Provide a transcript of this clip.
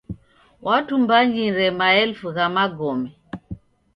Watumbanyire maelfu gha magome.